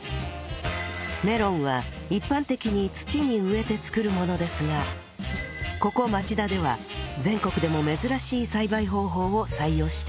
メロンは一般的に土に植えて作るものですがここ町田では全国でも珍しい栽培方法を採用しているんです